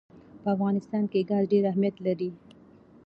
په افغانستان کې ګاز ډېر اهمیت لري.